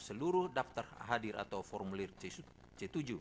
seluruh daftar hadir atau formulir c tujuh